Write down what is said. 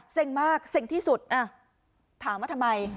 เซ็งมากเซ็งที่สุดอ่ะถามว่าทำไม